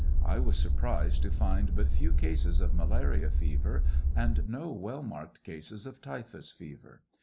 I was surprised to find but few cases of malarial fever, and no well marked cases of typhus fever.